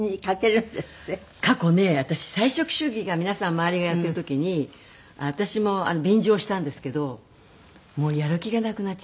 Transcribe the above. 過去ね私菜食主義が皆さん周りがやっている時に私も便乗したんですけどもうやる気がなくなっちゃって。